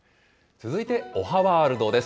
続いておはワールドです。